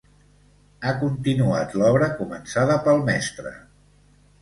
Ha continuat l'obra començada pel mestre.